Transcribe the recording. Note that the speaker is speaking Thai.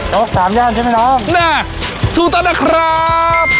กสามย่านใช่ไหมน้องแน่ถูกต้องนะครับ